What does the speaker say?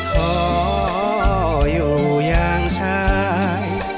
ขออยู่อย่างชาย